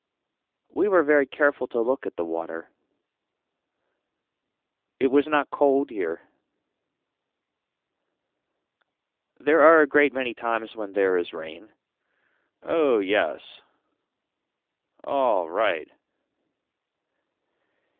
We were very careful to look at the water. It was not cold here. There are a great many times when there is rain. Oh yes. All right.